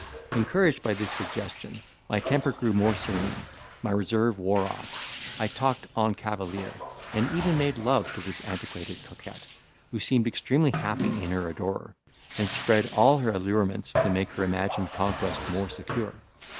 Encouraged by this suggestion, my temper grew more serene, my reserve wore off, I talked en cavalier, and even made love to this antiquated coquette, who seemed extremely happy in her adorer, and spread all her allurements to make her imagined conquest more secure.